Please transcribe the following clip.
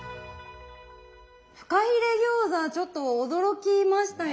フカヒレ餃子ちょっと驚きましたよね。